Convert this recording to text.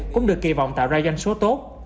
cũng được kỳ vọng tạo ra danh số tốt